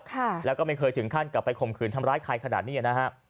ค่ะแล้วก็ไม่เคยถึงขั้นกลับไปข่มขืนทำร้ายใครขนาดนี้นะฮะ